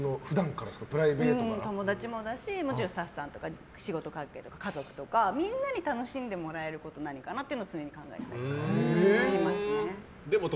友達もだしスタッフさんとか仕事関係とか家族とかみんなに楽しんでもらえること何かなっていうのを常に考えたりしますね。